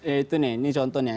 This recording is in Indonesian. itu nih ini contohnya